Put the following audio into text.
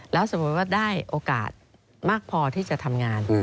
แล้วสมมุติว่าได้โอกาสมากพอที่จะทำงาน